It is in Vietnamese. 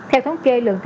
đến bốn tiếng